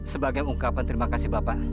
sebagai ungkapan terima kasih bapak